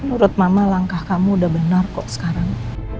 menurut mama langkah kamu udah benar kok sekarang